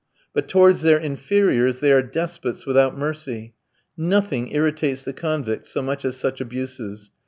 But towards their inferiors they are despots without mercy. Nothing irritates the convicts so much as such abuses.